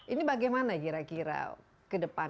ini bagaimana kira kira ke depan